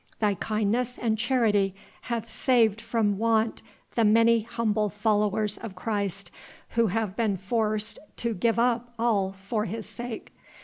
Thy kindness and charity hath saved from want the many humble followers of Christ who have been forced to give up all for His sake.